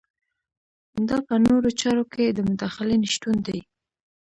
دا په نورو چارو کې د مداخلې نشتون دی.